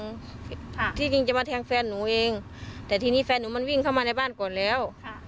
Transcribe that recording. ค่ะที่จริงจะมาแทงแฟนหนูเองแต่ทีนี้แฟนหนูมันวิ่งเข้ามาในบ้านก่อนแล้วค่ะ